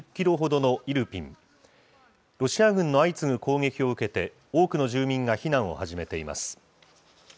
ロシア軍の相次ぐ攻撃を受けて、多くの住民が避難を始めています。